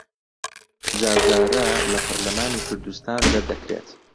جار جارە لە پەرلەمانی کوردستان دەردەکرێت